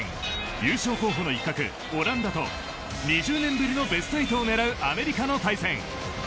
優勝候補の一角・オランダと２０年ぶりのベスト８を狙うアメリカの対戦。